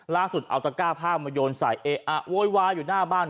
ล่าสุดเอาตะก้าผ้ามาโยนใส่เอ๊ะอ่ะโวยวายอยู่หน้าบ้าน